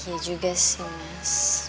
iya juga sih mas